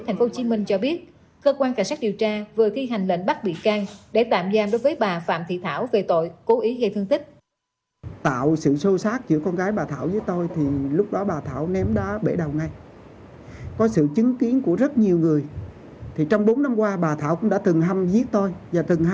thành phố hồ chí minh cho biết cơ quan cảnh sát điều tra vừa thi hành lệnh bắt bị can